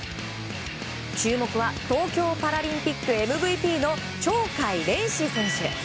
注目は東京パラリンピックＭＶＰの鳥海連志選手。